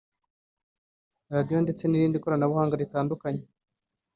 radio ndetse n’irindi koranabuhanga ritandukanye